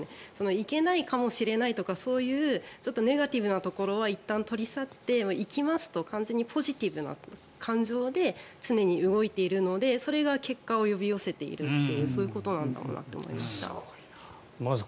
行けないかもしれないとかそういうネガティブなところはいったん取り去って、行きますと完全にポジティブな感情で常に動いているので、それが結果を呼び寄せているっていうそういうことなんだろうなと思います。